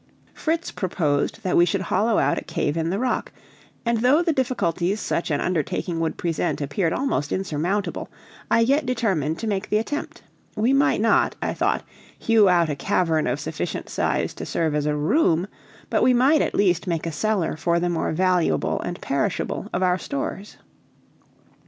Fritz proposed that we should hollow out a cave in the rock, and though the difficulties such an undertaking would present appeared almost insurmountable, I yet determined to make the attempt; we might not, I thought, hew out a cavern of sufficient size to serve as a room, but we might at least make a cellar for the more valuable and perishable of our stores.